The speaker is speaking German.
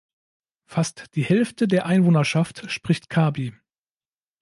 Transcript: Fast die Hälfte der Einwohnerschaft spricht Karbi.